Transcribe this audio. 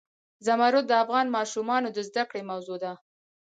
زمرد د افغان ماشومانو د زده کړې موضوع ده.